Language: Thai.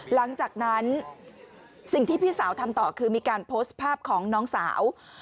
หลังจากนั้นสิ่งที่พี่สาวทำต่อคือมีการโพสต์ภาพของน้องสาว